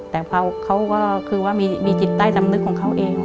แต่เขาก็คือว่ามีจิตใต้สำนึกของเขาเอง